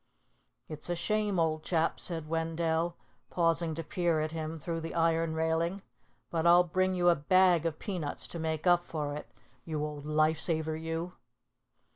"It's a shame, old chap," said Wendell, pausing to peer at him through the iron railing. "But I'll bring you a bag of peanuts to make up for it, you old life saver, you."